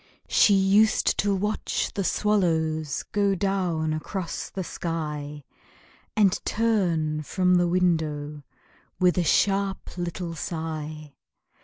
She used to watch the swallows Go down across the sky, And turn from the window With a little sharp sigh.